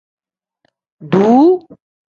Duu.